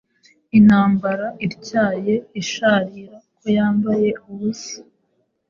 Intambara ityaye isharira ko yambaye ubusa